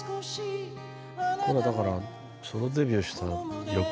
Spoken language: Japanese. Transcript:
これだからソロデビューした翌年ですよね。